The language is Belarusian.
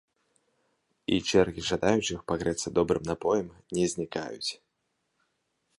І чэргі з жадаючых пагрэцца добрым напоем не знікаюць.